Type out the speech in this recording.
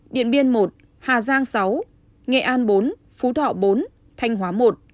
điện biên một hà giang sáu nghệ an bốn phú thọ bốn thanh hóa i